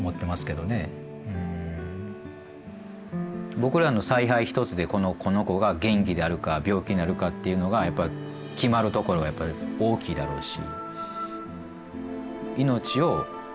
僕らの采配一つでこの子が元気であるか病気になるかっていうのがやっぱ決まるところが大きいだろうし。